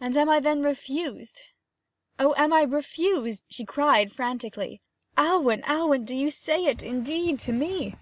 'And am I then refused? Oh, am I refused?' she cried frantically. 'Alwyn, Alwyn, do you say it indeed to me?'